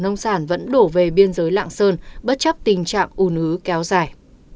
nông sản vẫn đổ về biên giới lạng sơn bất chấp tình trạng ùn ứ kéo dài